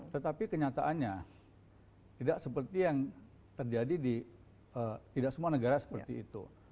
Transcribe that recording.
tetapi kenyataannya tidak seperti yang terjadi di tidak semua negara seperti itu